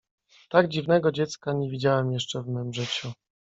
— Tak dziwnego dziecka nie widziałam jeszcze w mym życiu.